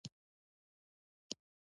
دا احساسات د اقتدار اصلي سرچینه ګڼي.